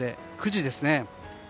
９時ですね。